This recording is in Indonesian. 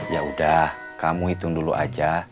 yaudah kamu hitung dulu aja